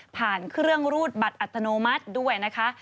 เครื่องรูดบัตรอัตโนมัติด้วยนะคะ